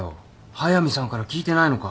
速見さんから聞いてないのか？